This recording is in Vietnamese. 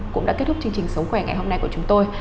cũng đã kết thúc chương trình sống khỏe ngày hôm nay của chúng tôi